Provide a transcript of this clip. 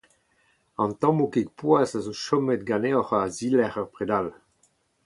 An tammoù kig poazh zo chomet ganeoc'h a-zilerc'h ur pred all.